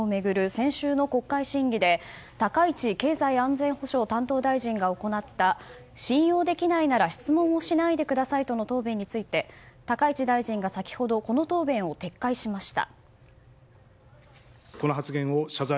先週の国会審議で高市経済安全保障担当大臣が行った信用できないなら質問をしないでくださいとの答弁について高市大臣が先ほどこの答弁を撤回しました。